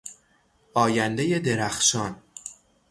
آیندهی درخشان